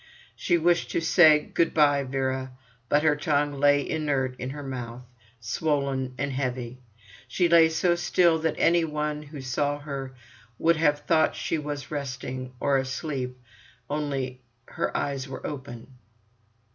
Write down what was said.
She wished to say: "Good bye, Vera," but her tongue lay inert in her mouth, swollen and heavy. She lay so still that any one who saw her would have thought that she was resting, or asleep. Only—her eyes were open.